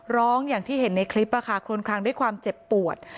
ร้องอย่างที่เห็นในคลิปคลวนคลังด้วยความเจ็บปวด